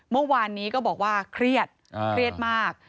เมื่อวานนี้ก็บอกว่าเครียดเครียดมาก